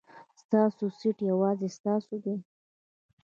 ستاسو سېټ یوازې ستاسو دی.